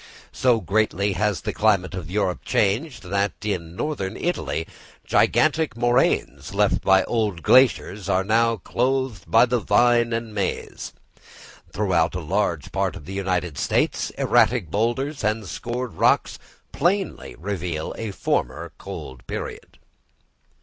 So greatly has the climate of Europe changed, that in Northern Italy, gigantic moraines, left by old glaciers, are now clothed by the vine and maize. Throughout a large part of the United States, erratic boulders and scored rocks plainly reveal a former cold period.